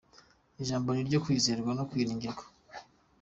Ijambo ni iryo kwizerwa no kwiringirwa.